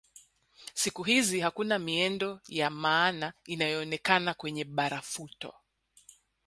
Siku hizi hakuna miendo ya maana inayoonekana kwenye barafuto